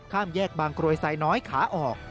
ข้ามแยกบางกรวยไซน้อยขาออก